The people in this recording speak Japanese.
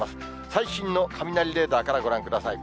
最新の雷レーダーからご覧ください。